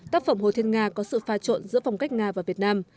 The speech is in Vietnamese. tác phẩm hồ thiên nga có sự pha trộn giữa phong cách nga và việt nam